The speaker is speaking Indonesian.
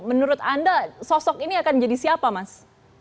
menurut anda sosok ini akan jadi siapa mas